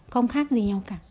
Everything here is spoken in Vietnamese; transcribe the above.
không khác gì nhau cả